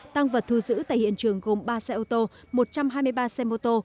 tăng vật thu giữ tại hiện trường gồm ba xe ô tô một trăm hai mươi ba xe mô tô